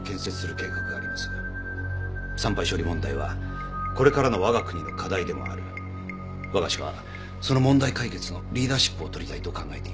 産廃処理問題はこれからのわが国の課題でもあるわが社はその問題解決のリーダーシップをとりたいと考えています